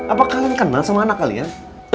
apa kalian kenal sama anak kalian